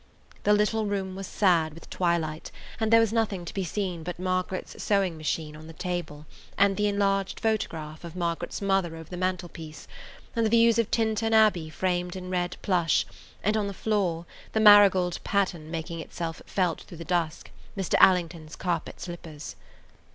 The little room was sad with twilight, and there was nothing to be seen but Margaret's sewing machine on the table and the enlarged photograph of Margaret's mother over the mantel piece, and the views of Tintern Abbey framed in red plush, and on the floor, the marigold pattern making itself felt through the dusk, Mr. Allington's carpet slippers.